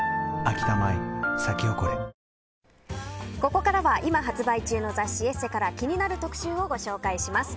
ここからは今発売中の雑誌「ＥＳＳＥ」から気になる特集をご紹介します。